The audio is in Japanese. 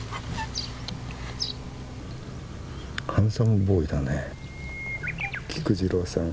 ハンサムボーイだね菊次郎さん。